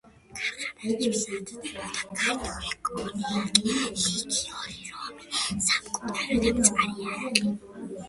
ქარხანაში მზადდებოდა ქართული კონიაკი, ლიქიორი, რომი, სამკურნალო და მწარე არაყი.